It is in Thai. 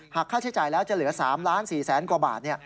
ค่าใช้จ่ายแล้วจะเหลือ๓๔๐๐๐กว่าบาท